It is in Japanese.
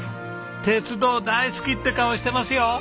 鉄道大好きって顔してますよ！